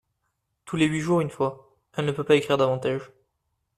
Tous les huit jours une fois ; elle ne peut pas écrire davantage.